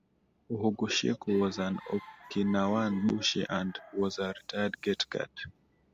Uhugushiku was an Okinawan bushi and was a retired gate guard.